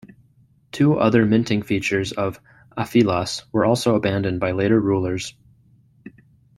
Two other minting features of Aphilas were also abandoned by later rulers.